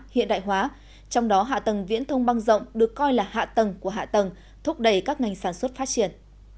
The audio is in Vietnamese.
hiện đại hóa trong đó hạ tầng viễn thông băng rộng được coi là hạ tầng của hạ tầng thúc đẩy các ngành sản xuất phát triển